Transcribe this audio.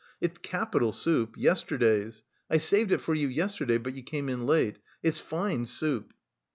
It's capital soup, yesterday's. I saved it for you yesterday, but you came in late. It's fine soup."